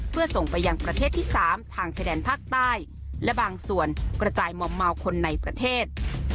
เพื่อส่งไปยังประเทศที่๓ทางชายแดนภาคใต้และบางส่วนกระจายมอมเมาคนในประเทศ